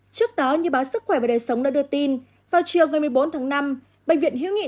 trước đó như báo sức khỏe và đời sống đã đưa tin vào chiều ngày một mươi bốn tháng năm bệnh viện hữu nghị